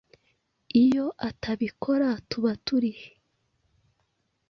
iyo atabikora tuba turi he?